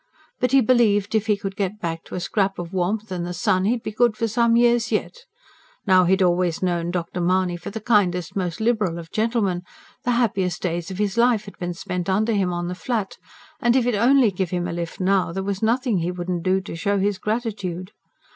But he believed if he could get back to a scrap of warmth and the sun, he'd be good for some years yet. Now he'd always known Dr. Mahony for the kindest, most liberal of gentlemen; the happiest days of his life had been spent under him, on the Flat; and if he'd only give him a lift now, there was nothing he wouldn't do to show his gratitude.